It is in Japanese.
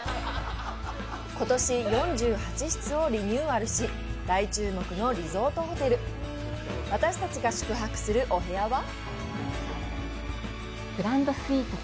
今年４８室をリニューアルし大注目のリゾートホテル私たちが宿泊するお部屋は？